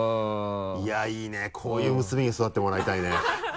いやっいいねこういう娘に育ってもらいたいね。